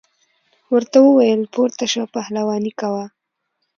ورته وویل پورته شه پهلواني کوه.